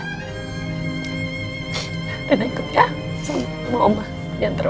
rena ikut ya sama mama dan taro